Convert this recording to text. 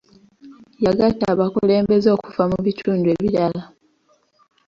Yagatta abakulembeze okuva mu bitundu ebirala.